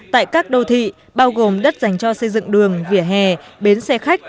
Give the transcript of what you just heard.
tại các đô thị bao gồm đất dành cho xây dựng đường vỉa hè bến xe khách